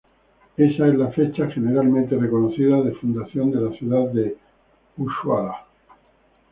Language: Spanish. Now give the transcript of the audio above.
Esa es la fecha generalmente reconocida de fundación de la ciudad de Ushuaia.